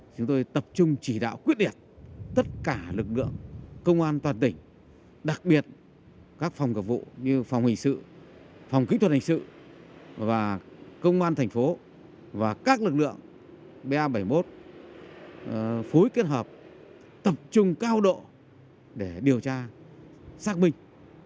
và các lực lượng ba bảy mươi một phối kết hợp tập trung cao độ để điều tra xác minh